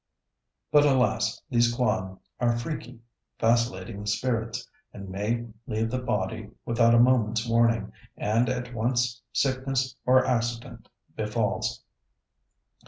But alas! these kwan are freaky, vacillating spirits, and may leave the body without a moment's warning, and at once sickness or accident befalls.